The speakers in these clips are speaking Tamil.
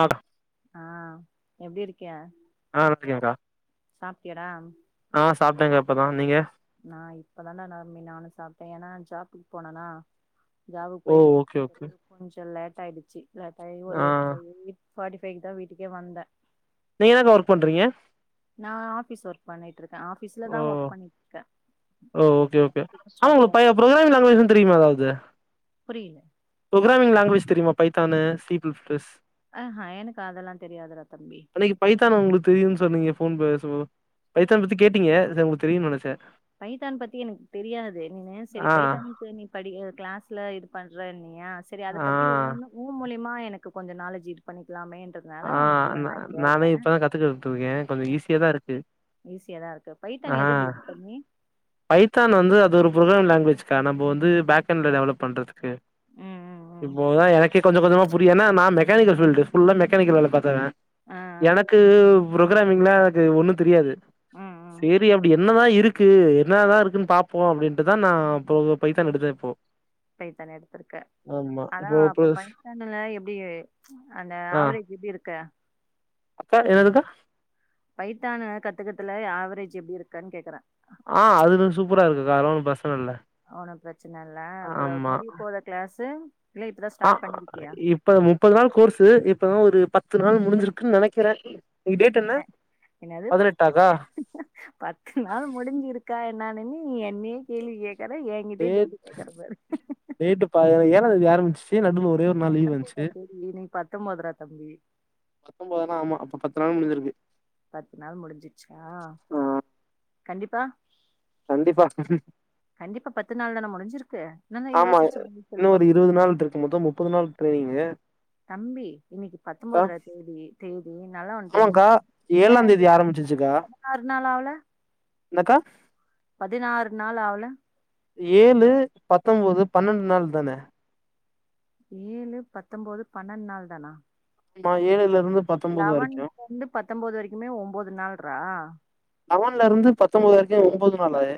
ஆஹ் ஆஹ் எப்படி இருக்கே ஆஹ் வந்துருக்கேன் கா சாப்பிட்டியா டா ஆஹ் சாப்பிட்டேங்க இப்பதான் நீங்க நான் இப்பதான் டா தம்பி நானும் சாப்பிட்டேன்னா ஜாப்புக்கு போனேனா ஜாப்புக்கு ஓ போயிட்டு ஓகே ஓகே வாங்க கொஞ்சம்ல்ல லேட்டாயிடுச்சு இல்ல டைம் ஆ ஒரு ஈவினிங் பார்ட்டி ஃபைவ் தான் வீட்டுக்கே வந்தேன் நீங்க என்னக்கா ஒர்க் பண்றீங்க நான் ஆஃபீஸ் ஒர்க் பண்றேன் நான் ஆபீஸ்ல ஓ தான் ஒர்க் பண்ணிட்டுருக்கேன் ஓ ஓகே ஓகே ஆமா பழைய ப்ரோக்ராமிங் லாங்குவேஜ் தெரியுமா எதாவது புரியல ப்ரோகிராமிங் லாங்குவேஜ் தெரியுமா பைத்தானு சி ப்ளஸ் அ ஆ எனக்கு அதெல்லா தெரியாதுடா தம்பி அன்னைக்கு பைத்தான் உங்களுக்கு தெரியும்னு சொன்னீங்க ஃபோன் பேசும்போ பைத்தான் பத்தி கேட்டீங்க செ உங்களுக்கு தெரியுனு நெனச்சே பைத்தான் பத்தி எனக்கு தெரியாது நீனே செரி ஆ பைத்தானுக்கு நீ படிக்க கிளாஸ்ல பண்றேன் யா சேரி அத ஆ பத்தி ஓ ஒன்னு ஊ மொழி மா எனக்கு கொஞ்ச நாலஜ் இது பண்ணிக்கலாமே ஆ நா நானே இப்பதா கத்துக்கிர்ட்டுருக்கே கொஞ்சோ ஈஸியாதா இருக்கு ஈஸியாதா இருக்கு பைத்தான் ஆ எத பேஸ் பண்ணி பைத்தான் வந்து அது ஒரு பு்ரோன் லாங்குவேஜ்க்கா நம்ம வந்து பேக்ண்ட்ல டெவலப் பண்றதுக்கு ஆ இப்போதா எனக்கே கொஞ்சோ கொஞ்சமா புரியு ஏன்னா நா மெக் பேலிங்க சொல்ட்டு ஃபுல்லா மெக் க்கேனிக் வேல பாத்தவே ஆ எனக்கு புரோக்ராமிங்கள து ஒண்ணு தெரியாது ம் ம் சேரி அப்பிடி என் ன்னதா இருக்கு என்னதா இருக்குன்னு பாப்போ அப்பிடின்ட்டுதா நா இப்ப பைதான் எடுத்தப்போ பைத்தான் எடுத்திருக்க ஆனா இப்போ அப்ப ப்ளஸ் பைத்தான்ல எப்பிடி அந்த ஆ ஆவரேஜ் எப்பிடி இருக் க்க அக்கா என்னதுக்கா பைத்தான கத்துக்கத்துல ஆவரேஜ் எப்பிடி இருக்கன்னு கேக்குறே ஆ அதுதும் சூப்பரா இருக்கு கா அது ஒன்னு பிர அவனு பிரச்சன இல்ல இப்ப ஆமா முடி போர கிளாஸ்சு ஆ இப்ப முப்பது நாள் கோர்ஸ் இப்பதா ஒரு பத்து நாள் முடிஞ்சிருக்குன்னு நெனைக்கிறே டேட் என்ன என்னது பதினெட்டாக்கா பத்து நாள் முடிஞ்சிருக்கா நா இனி நீ கேள்வி கேக் டே டேட் பாரா ஏழாந்தேதி ஆரம்பிச்சச்சி நடுல ஒரே ஒரு நாள் லீவ் பத்தொம்போதா வந்துச்சி தேதி இன்னைக்கு பத்தொம்போதுரா தம்பி பத்தொன்பத நா ஆமா அப்ப பத்து நாள் முடிஞ்சிருக் பத்து நாள் முடிஞ்சிச்சா ஆ கண்டிப்பா கண்டிப்பா கண்டிப்பா பத்து நாள் தான முடிஞ் ஆமா இன்னு ஒரு இருபது நாள்துருக்கு முத்தோ முப்பது நாள் ட்ரேங்க தம்பி இன்னைக்கு பத்தொன்பது தேதி தேதி நல்லா ஒன்னு ஆமாக்கா தெரிஞ்சுக்கா ஏழாந் ஏழாம் தேதி ஆரம்பிச்சிச்சுக்கா பதினாறு நாள் ஆவல என்னக்கா பதினாறு நாள் ஆவல ஏழு பத்தொன்பது பன்ரெண்டு நாள் தானே ஏழு பத்தொன்பது பன்ரெண்டு நாள் தானா ஆமா ஏழுல இருந்து பத்தொம்போது லவன் வரைக்கு வந்து பத்தொன்பது வரைக்குமே ஒன்பது நாள் ரா லவன்ல இருந்து பத்தொன்பது வரைக்கும் ஒன்பது நாளே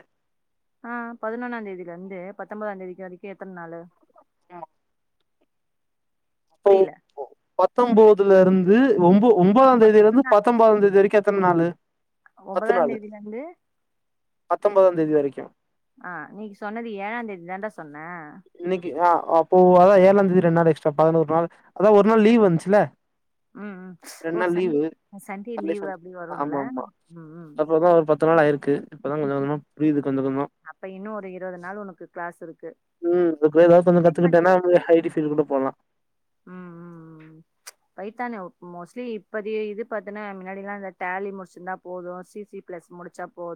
ஆ பதினொன்னான் தேதில இருந்து பத்தொன்பதாம் தேதிக்கு வரைக்கும் எத்தன நாளு [unintelligible] ஒ புரியல. பத்தொன்பது ல இருந்து ஒன்பே ஒன்பதாம் தேதிலிருந்து பத்தொன்பதாம் தேதி வரைக்கும் எத்தன நாளு ஒன்பதாம் தேதிலந்து பத்தொன்பதாம் தேதி வரைக்கும் ஆ நீ சொன்னது ஏழாம் தேதி தான்டா சொன்ன இன்னைக்கு ஆ அப்போ அதான் ஏழாம்ந்த தேதி ரெண்டு நாள் எக்ஸ்ட்ராா பதினோரு நாள் அதான் ஒரு நாள் லீவ் வந்துச்சுல ம் ம் ரெண்டு ஓ நாள் Sunday leave Sunday leave Sunday அப்டி வரும்ல ஆமா ம் ம் ம் க் இப்பதான் கொஞ்சம் புரியுது கொஞ்சம் கொஞ்சம் அப்ப இன்னும் ஒரு இருபது நாள் உனக்கு கிளாஸ் இருக்கு ம் ஏதாது கொஞ்சம் பேமெண்ட் கத்துக்கிட்டேன்னா எவ்ளோ ஐ டி ஃபீல்டு கூட போலாம் ம் ம் ம் பைத்தானு மோஸ்ட்லி இப்பத்த இது பாத்தேன்னா முன்னாடிலா இந்த டேலி முடிச்சிருந்தா போதும் சி சி பிளஸ் முடிச்சா போ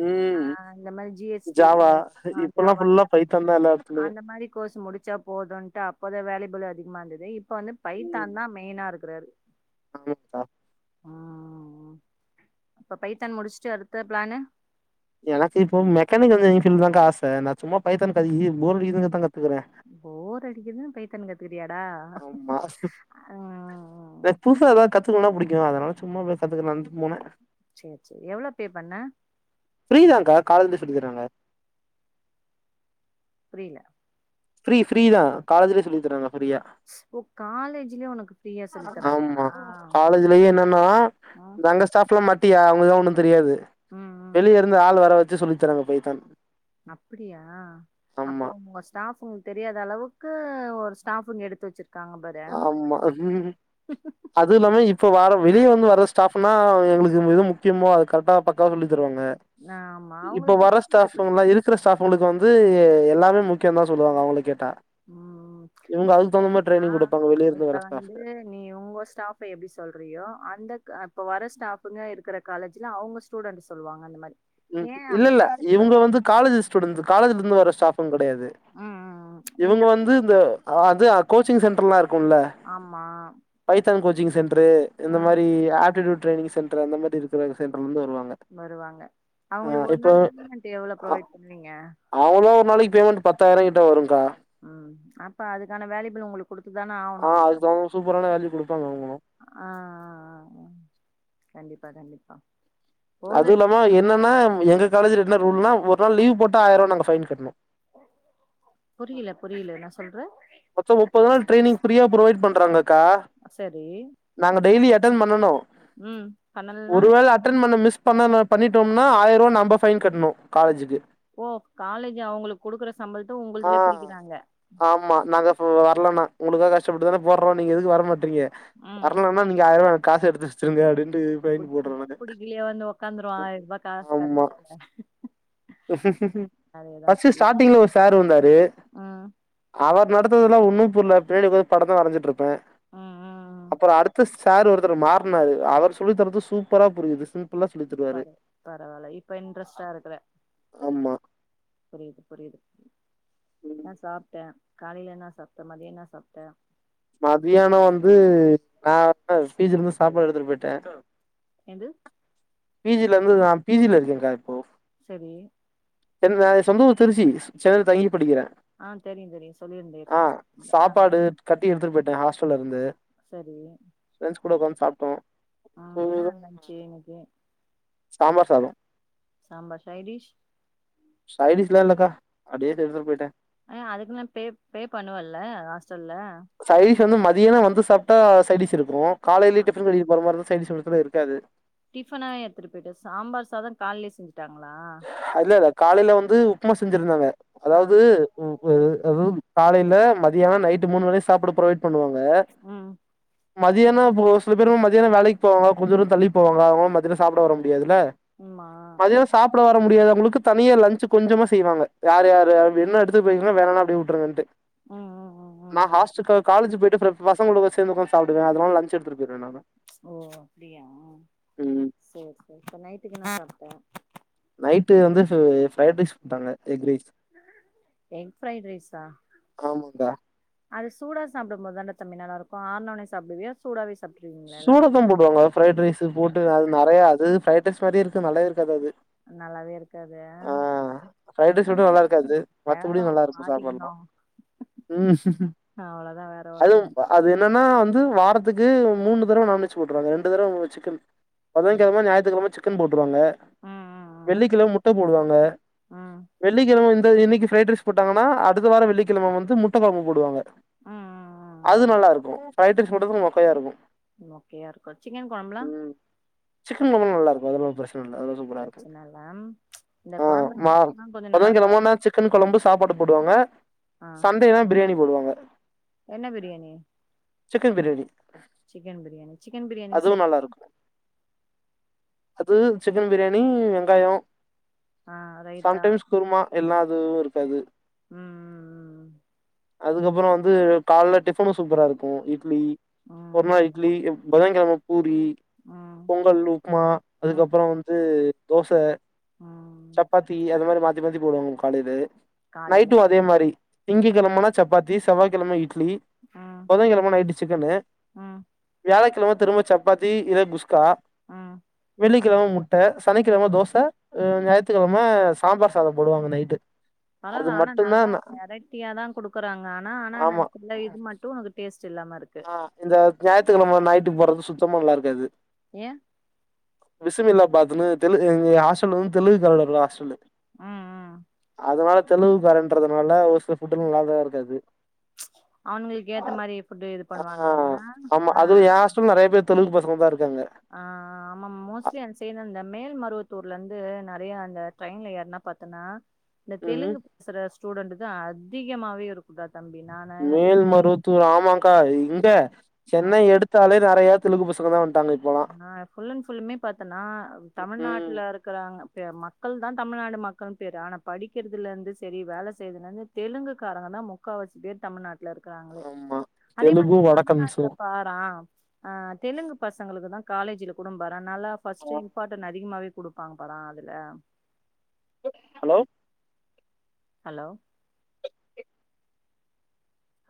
ம் பி ஹெச் டி ஜாவா இப்பல்லா ஜாவா ஃபுல்லா பைத்தான் தா எல்லா எடத்துலயு அந்த மாரி கோர்ஸ் முடிச்சா போதும் அப் மொத வேலியபிள் அதிகமா இருந்தது இப்ப வந்து ம் பைத்தான் தா மெயினா இருக்கு [unintelligible] [unintelligible] ம் ம் அப்ப பைத்தான் முடிச்சுட்டு அடுத்த பிளானு எனக்கு இப்போ மெக்கானிக்க் இனி தாங்க ஆசை நா சும்மா பைத்தான் [unintelligible] போர் அடிக்குது தாங்கா போர் அடிக்குதுன்னு பைத்தன் கத் ஆமா ம் எனக் புதுசா எதா கத்துக்கணுனா புடிக் யு அதனால சும்மா பேசாட்டுக்கு நந்து போனெ சேர் சேர் எவ்ளொ பே பண்ண கால்லெந்து சொல்லி தராங்க புரில ஃப்ரீ ஃப்ரீதா காலஜுலே சொல்லி தராங்க ஃப்ரீயா ஓ காலேஜுலே ஒனக்கு ஃப்ரீயா சொல்லி தராங்களா ஆமா அப்ப காலேஜ்லயே ம் ட்டியா அவுங்கதா ஒன்னு தெரியாது ம் ம் வெளிய இருந்து ஆள் வர வச் சு சொல்லி தராங்க பைத்தான் அப்புடியா அப்போ ஆமா உங்க ஸ்டாஃபு தெரியாத அளவுக்கு ஒரு ஸ்டாஃபுங்க எடுத்து வச்சிரு ஆமா அதுல்லாம இப்ப வார வெளியே வந்து வர ஸ்டாஃபுன்னா எங்ளுக்கு எது முக்கியமோ அது கரெகட்டா பக்காவ சொல்லி தருவாங்க ஆமா இப்ப அவங்களுக்கு வர பேசிட்டு போயிட்டு. ஸ்டாஃபுங்கல்லா இருக்குற ஸ்டாஃபுங்களுக்கு வந்து எ ல்லாமே முக்கியந்தா சொல்லுவாங்க அவுங்கள கேட்டா ம் இவுங்க அதுக்கு தகுந்த மாரி ஏன்னா ட்ரைனிங் குடு இப்ப வந்து நீ உங்க ஸ்டாஃப எப்டி சொல்றியோ அந்த க இப்ப வர ஸ்டாஃபுங்க இருக்குற காலேஜுல அவுங்க ஸ்டூடண்ட்டு சொல்லுவாங்க அந்த மாரி ம் ஏன் அப்படி இல்லெல்ல சொல்ற இவுங்க வந்து காலேஜு ஸ்டூடெண்ட்ஸு காலேஜுலந்து வர ஸ்டாஃபுங் க டயாது ம் ம் ம் இந்த இவுங்க கு- வந்து இந்த அது அ கோச்சிங் சென்டர்லா இரு க்குல்ல ஆமா Python coaching centre இந்த ம் மாரி ம் ஆப்டிடியூட் ட்ரைனிங் சென் ட்ரு அந்த மாரி இருக்குற சென்ட்ருலெந்து வ வருவாங்க அவுங்களுக்கு ஒரு நாள் பேமெண்ட் எவ்ளோ அ ப்ரொவைட் பண்ணுவீங்க அவங்களா ஒரு நாளைக்கு பேமெண்ட் பத்தாயிர கிட்ட வருங்கா உம் அப்ப அதுக்கான வேலியபுல் உங்களுக்கு குடுத்து தான ஆகணு ஆ அவுங்க அதுக்கு அவங்க சூப்பரான வேல்யூ குடுப்பாங்க அவங்களு ஆ ஆ கண்டிப்பா பரணிக்கா அதுவு இல்லாம என்னன்னா எங்க காலேஜ்ல என்ன ரூல்னா ஒரு நாள் லீவ் போட்டா ஆயிரம் ரூபாய் நாங்க பைன் கட்டணு புரியல புரியல என்ன சொல்ற மொத்த முப்பது நாள் ட்ரைனி்ங் ஃபிரியா புரொவைட் பண்றாங்க க்கா சரி நாங்க டெய்லி எத்து அட்டன் பண்ணனு ம் பண்ணலனா ஒருவேள அட்டன் பண்ண மிஸ் பண்ண பண்ணிட்டோம்னா ஆயிரவா நம்ப பைன் கட்டணு காலேஜுக்கு ஓ காலேஜ் அவுங்களுக்கு குடுக்குற சம்பளத்த ஆ உங்களதுல பிடிக்குறாங்க ஆமா நாங்க இப்ப வரலன்னா ஒங்களுகாக கஷ்ப்பட்டு தான போட்றோ நீங்க எதுக்கு வர மாட்டீங்க இருங்க ம் ம் வரலன்னா நீங்க ஆயிரவா காச எடுத்து வெச்சிருங்க அப்டினு ஃபைன் போடுறோ புடிக்குதோ நாங்க புடிக்கலையோ வந்து உக்காந்துருவா ஆயிரூபா காசு ஆமா கெடைக்காது அதேதா ஃபஸ்ட்டு புரியுது ஸ்டாடிங்ல ஒரு சார் வந்தாரு ம் அவர் நடத்துதுலா ஒன்னு புரில பின்னாடி ஒக்காந்து படத்த வரஞ்சிட்டு இருப்பே ம் ம் அப்பற அடுத்த ஸ் சார் ஒருத்தர் மாற்னாரு அவர் சொல்லி தரது சூப்பரா புரியுது ச பர பரவால இப்ப இன்ட்ரெஸ்ட்டா இருக்குற ஆமா புரியுது புரியுது ம் நா சாப்ட்டே காலைல என்னா சாப்ட மதிய என்ன சாப்ட மதியானோ வந்து நா பீஜ்லருந்து சாப்பாடு எடுத்துட்டு போயி ட்டே எது பீ ஜில இருந்து நா பீ ஜில இருக்கேங்க்கா இப்போ சரி என் சொந்த ஊர் திருச்சி சென்னையில் தங்கி படிக்குறே ஆ தெரியு தெரியு சொல்லிருந்தே ஏற்கனவே சொல்ல ஆ சாப்பாடு கட்டி எடுத்துட்டு ஹாஸ்டல்ல இருந்து சரி ஃப்ரெண்ட்ஸ் கூட உக்காந்து சாப்டோ அ என்ன அங்க இருந்துச்சு எனக்கு சாம்பார் சாதோ சாம்பார் சைடிஷ் சைடிஸ்லா இல்லக்கா அப்டியே எடுத்துட்டு போயிட்ட ஏ அதுக்குல்ல பே பே பண்ணுவல்ல ஆஷ் ட்டல்ல க்குன்னு மதியானோ வந்து சாப்டா சைடிச்சு இருக்கு காலைலயே டிஃப்பன் கட்டிட்டு போற மாரி இருந் சைடிஷ் ஒரு நேரத்துல இருக்காது டிஃப்பனா எத்துட்டு போயிட்டு சாம்பார் சாதோ கால்லயே செஞ்சு அல்ல அல்ல காலைல வந்து உப் உப்மா செஞ்சுருந்தாங்க ஆ அதாவது [unintelligible] காலைல மதியானோ நைட்டு மூனு வேலையு சாப்புட புரொவைட் பண்ணுவாங்க ம் ங்க மதியானோ போ சில பேரும் மதியானோ வேலைக்கு போவாங்க கொஞ்ச தூரோ தள்ளி போவாங்க அவங்களு மதியானோ சாப்புட வர முடியாது ஆமா சாப்ட வர முடியாதவங்களுக்கு தனியா லன்ச்சு கொஞ்சமா செய்வாங்க யார் யாரு யாரு வேண்னா எடுத்துட்டு போயிக்கோங்க வேண்டானா அப்டியே உட்ருங்கன்டு ம் ம் ம் ம் நான் ம் ஹாஸ்டுக்கா காலேஜு போயிக் டிஃபன் ஃபுல்லா பசங்களு கூட சேந்து உக்காந்து சாப்டுவ அதனால லன்ச்சு எடுத்துட்டு போயிருவ நானு ஓ அப்டியா ம் சேரி சேரி அப்புறோ நைட்டுக்கு என்ன சாப்ட நைட்டு வந்து ஃப் பிரைட் ரைஸ் குடுத்தாங்க எக் பிரைட் ரைஸ்சா ஆமாங்கா அதுஸ் சூடா சாப்புட போது தான்டா தம்பி நல்லா இருக்கு ஆறுனொனே சாப்புடுவியா சூடாவேஸ் சூடாத்தாம் போடுவாங்க பிரைட் ரைஸ் போட்டு அது நெறையா அது பிரைட் பிரைட் ரைஸ் மாரியே இருக்கு நல்லாவே இருக்காது அது நல்லாவே இருக் ஆ பிரைட் ரைஸ் மட்டு நல்லா பண்றது இருக்காது மத்தபடி நேரோ நல்லா இருக்கு மாட்டிக்கணு சாப்பாடுலா ம் அவ்ளோதா வேற ஒண்ணுங் அதும் அது என்னன்னா வந் து வாரத்துக்கு மூணு தடவ நான்வெஜ் போட்ருவாங்க ரெண்டு தடவ சிக்கன் ம் புதங்கெழம ஞாயத்துக்கெழம சிக் கன் போட் ட்ருவாங்க ம் வெள்ளிக்கிழம முட் ட்ட போடுவாங்க ச ம் ம் வெள்ளிக்கிழம வந் த்த இன்னைக்கு பிரரைட் ரைஸ் போட்டாங்கானா அடுத்த வாரோ வெள்ளிக்கிழம வந்து முட்ட குழம்புபோடுவாங்க அது ம் நல்லா இருக்கு ரைட்க்கு ஃபுட்டுக்கு மொக்கையா இருக்கு மொக்கையா இருக்கு சிக்கன் கொழம்புலா ம் சிக்கன் கொழம்பு நல்லா இருக்கு அதுல்ல பிரச் ன்ல்ல அது சூப்பரா இருக்கு பிரச்சன இல்ல இந்த ஆ மா கொழம்புனா கொஞ்சோ நல்லாதா பொதகிழமனா இருக்கு சிக்கன் கொழம்பு சாப் ப்பாடு போடுவாங்க ஆ சண்டேனா பிரியாணி போடுவாங் ஆ என்ன biryani chicken biryani chicken biryani chicken biryani அதுவு சை நல்லா இருக்கு அது சிக்கன் பிரியாணி வெங்காயோ ஆ ரைத்தா சம்டைம்ஸ் குர்மா எல்லா அதுவு இருக்காது ம் ம் ம் அதுக்கப்பொரோ வந்து காலல டிஃபனும் சூப்பரா இருக்கோ இட்லி ஒருநா ம் இட்லி இப் புதங்கிழம பூரி ம் ம் பொங்கல் உப்மா ம் ம் அதுக்கப்பறோந்து தோச ம் சப்பாத்தி அது மாரி மாத் த்திமாத்தி போடுவங்க காலையல காலைல நைட்டு அதே மாரி திங்ககிழமன்னா சப்பத்தி செவ்வாய்க்கிழம இட்லி ம் புதங்கிழம நைட்டு சிக்கனு ம் வியாழக்கிழம த்திரும்ம சப்பாத்தி இத குஸ்கா ஆ வெள்ளிக்கிழம முட்ட சனிக்கிழம தோச ம் ஞாயித்துக்கிழம சாம்பார் சாதோ போடுவாங்க நைட்டு அது பரவால்ல ஆனா மட்டுந்தா நல்லா நா வெரைட்டியாதா குடுக்குறாங்க ஆனா ஆனா இந்த ஆமா சில இது மட்டும் அது டேஸ்ட்டில்லாம இருக் ஆ இந்த ஞாயித்துக்கிழம நைட் விட்டு போறது சுத்தமா நல்லாருக்காது ஏ பிஸிபேளாபாத்துன்னு தெலுங் எங்க ஹாஸ்டல் வந்து தெலுங்கு காரங்கவோட ஹாஸ்டலு ம் ம் அதனால தெலுகுக்காரன்றதுனால ஒரு சில ஃபுட்டுலா நல்லா தா இருக்காது அவனுங்களுக்கு ஏத்த மாரி ஃபுட்டு் இது ஆ பண்ணுவானுங்கல்ல அ ஆ தெலுகு பசங்கந்தா இருப் ஆ ஆ ஆ ஆமாம் மோஸ்ட்லி அந்த சைட் இந்த மேல் மருவத்தூர் ப்லந்து நெறையா அந்த ட்ரெயின்ல ஏற்னா பாத்தன்னா இந்த ம் தெலுங்கு பேசுறஸ் ஸ்டூடெண்ட்தா அதிகமாவே இருக்குடாத் மேல்மருவத்தூர் ஆமாக்கா இங்க ஆ சென்னை எடுத்தாலே நெறையத் தெலுகு பசங்க தா வந்ட்டாங்க இப்பல்லா ஆ ஃபுல் அண்ட் ஃபுல்லுமே பாத்தனா ம் தமிழ்நாட்டுல இருக்கறாங்க தே மக்கள்தா தமிழ்நாடு மக்கள்னு பேரு ஆனா படிக்கிறதுலருந்து செரி வேல செய்றதுலருந்து தெலுக்காரங்க தா முக்கவாசி பேர் தமிழ்நாட் ல இருக்றாங்ளே ஆமா அதே மாரி தெலுங்கு வடக்கன்ஸு தமிழ்நாட்டுல பாரா ஆ தெலுங்கு பஸ் இதுக்கு தா காலேஜ்ல கூடோ பாத் அதனால ஃபஸ்ட் இம்பார்டன் அதிகமாவே குடுப்பாங்க பரா அதுல ஹலோ அலோ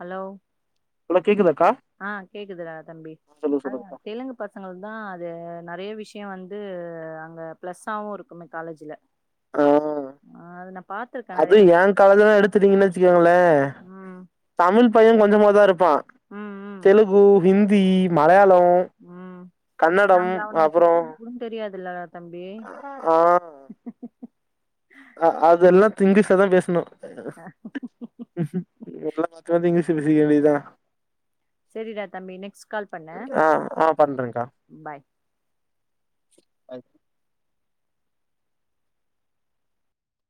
அலோ அலோ கேக்குதா ஆ கேக் கிதுராத் தம்பி அதா சொல்லுங்கக்கா தெலுங்கு பசங்கள்து அது நெறைய விஷயு வந்து அங்க பிளஸ்சாவும் இருக்கும் காலேஜ்ல ஆஹ ஆ அது நா பாத்துருக்கே நெறைய அதுவு வாட்டி ஏ காலேஜல எடுத்துட்டீங்கன்னு வச்சுக்கோங்களேன் ம் தமிழ் பயம் கொஞ்சமா தான் ஆமா ம் தெலுங்கு ஹந்தி ஹிந்தி, மலையாளம் உம் கன்னடம் நம்மள அவனுங்க அப்புறோ திட்ட கூட தெரியாதுல்ல தம்பி அஹ அதெல்லாம் திங்கிசாதா பேசணும் உ எல்லா மாத்த வந்து இங்கீஷ பேசிக்கவேண்டிதா செரிடா தம்பி நெக்ஸ்ட் கால் பண்ணு ஆ ஆ பண்றேங்க்கா பாய் அ